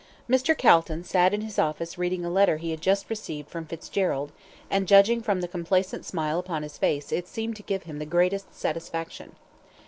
Mr. Calton sat in his office reading a letter he had just received from Fitzgerald, and judging from the complacent smile upon his face it seemed to give him the greatest satisfaction.